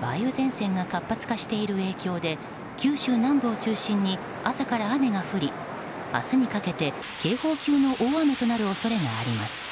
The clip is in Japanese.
梅雨前線が活発化している影響で九州南部を中心に朝から雨が降り、明日にかけて警報級の大雨となる恐れがあります。